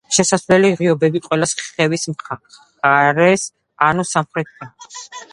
შესასვლელი ღიობები ყველას ხევის მხარეს, ანუ სამხრეთით აქვს.